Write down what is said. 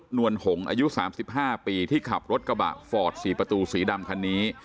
นวลหงอายุ๓๕ปีที่ขับรถกระบะฟอร์ด๔ประตูสีดำคันนี้